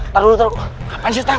taruh dulu taruh